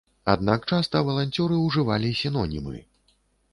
Аднак часта валанцёры ўжывалі сінонімы.